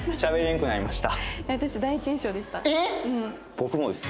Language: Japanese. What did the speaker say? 僕もです。